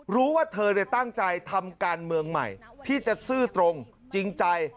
รู้ว่าเธอตั้งใจทำการเมืองใหม่ที่จะซื่อตรงจริงใจ